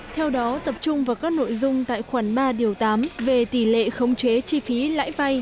theo đó tập trung vào các nội dung tại khoản ba điều tám về tỷ lệ khống chế chi phí lãi vay